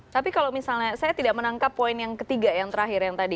tapi kalau misalnya saya tidak menangkap poin yang ketiga yang terakhir yang tadi